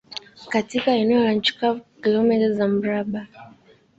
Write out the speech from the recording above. Katika eneo la nchi kavu Kilomita za mraba